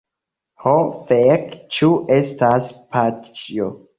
Ho fek, ĉu estas paĉjo?